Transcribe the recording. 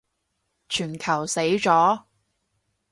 全球死咗